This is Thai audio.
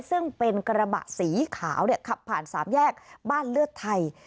ซึ่งเป็นกระบะสีขาวขับผ่าน๓แยกบ้านเลือดไทย